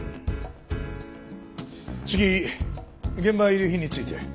次現場遺留品について。